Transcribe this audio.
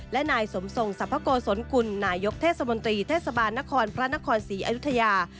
และนายสมทรงสรรพโกศลกุลนายกเทศมนตรีเทศบาลนครพระนครศรีอยุธยา